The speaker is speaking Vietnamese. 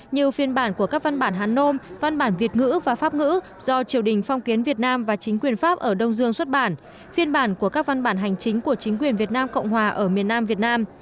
như phiên bản của các văn bản hán nôm văn bản việt ngữ và pháp ngữ do triều đình phong kiến việt nam và chính quyền pháp ở đông dương xuất bản phiên bản của các văn bản hành chính của chính quyền việt nam cộng hòa ở miền nam việt nam